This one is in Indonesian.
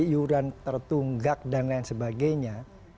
iuran tertunggak dan lain sebagainya